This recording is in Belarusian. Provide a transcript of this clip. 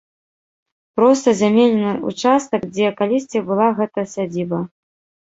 Проста зямельны ўчастак, дзе калісьці была гэта сядзіба.